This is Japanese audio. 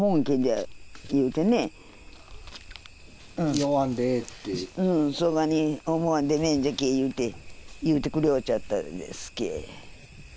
思わんでええってうんそがに思わんでもええんじゃけえいうて言うてくれよっちゃったですけ